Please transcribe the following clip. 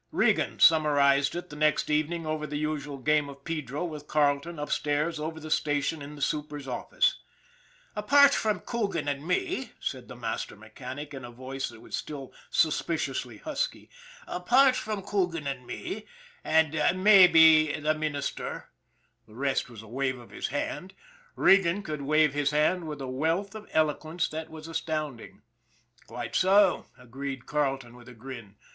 Regan summarized it the next evening over the usual game of pedro with Carleton, upstairs over the station in the super's office. " Apart from Coogan and me," said the master mechanic, in a voice that was still suspiciously husky, " apart from Coogan and me and mabbe the minis GUARDIAN OF THE DEVIL'S SLIDE 159 ter " the rest was a wave of his hand. Regan could wave his hand with a wealth of eloquence that was astounding. " Quite so," agreed Carleton, with a grin.